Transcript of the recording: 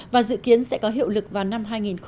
và dự kiến sẽ có hiệu lực vào năm hai nghìn một mươi bảy